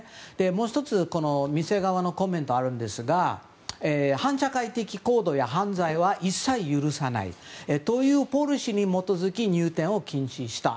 もう１つ店側のコメントがあるんですが反社会的行動や犯罪は一切許さないというポリシーに基づき入店を禁止した。